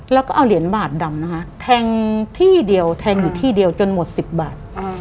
แล้วก็เอาเหรียญบาทดำนะคะแทงที่เดียวแทงอยู่ที่เดียวจนหมด๑๐บาท